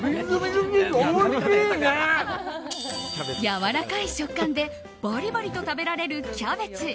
やわらかい食感でバリバリと食べられるキャベツ。